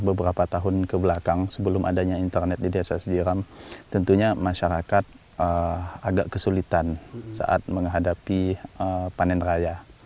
beberapa tahun kebelakang sebelum adanya internet di desa sejiram tentunya masyarakat agak kesulitan saat menghadapi panen raya